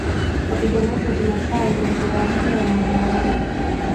Wapiganaji wa kimaasai hufurahia umoja wao